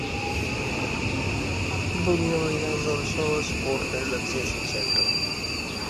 Buly Arena is also a sport and relaxation center.